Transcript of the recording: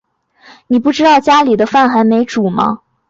妳不知道家里饭还没煮吗